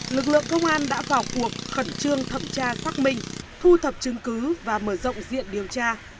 lực lượng công an đã vào cuộc khẩn trương thẩm tra xác minh thu thập chứng cứ và mở rộng diện điều tra